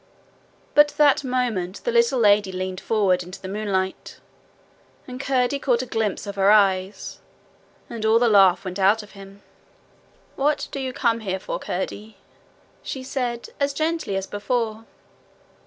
But that moment the little lady leaned forward into the moonlight, and Curdie caught a glimpse of her eyes, and all the laugh went out of him. 'What do you come here for, Curdie?' she said, as gently as before.